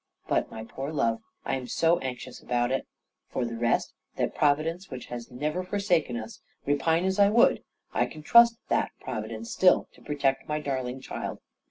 But, my poor love, I am so anxious about it. For the rest that Providence which has never forsaken us, repine as I would, I can trust that Providence still to protect my darling child.